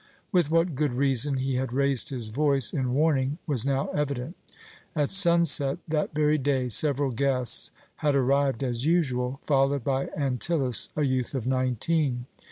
With what good reason he had raised his voice in warning was now evident. At sunset that very day several guests had arrived as usual, followed by Antyllus, a youth of nineteen.